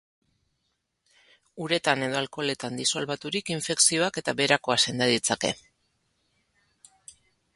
Uretan edo alkoholetan disolbaturik infekzioak eta beherakoa senda ditzake.